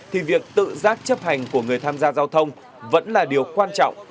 thì việc tự giác chấp hành của người tham gia giao thông vẫn là điều quan trọng